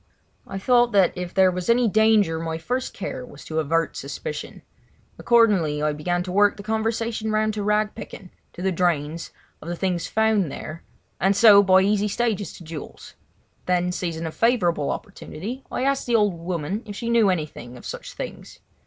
I thought that if there was any danger my first care was to avert suspicion. Accordingly I began to work the conversation round to rag picking—to the drains—of the things found there; and so by easy stages to jewels. Then, seizing a favourable opportunity, I asked the old woman if she knew anything of such things.